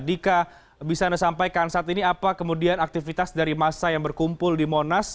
dika bisa anda sampaikan saat ini apa kemudian aktivitas dari masa yang berkumpul di monas